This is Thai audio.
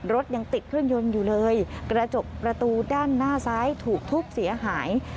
รถยังติดเครื่องยนต์อยู่เลยกระจกประตูด้านหน้าซ้ายถูกทุบเสียหาย